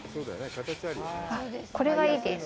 これがいいです。